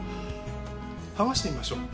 剥がしてみましょう。